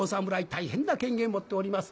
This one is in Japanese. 大変な権限持っております。